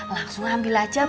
langsung ambil aja bu